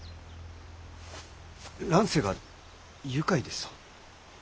乱世が愉快ですと？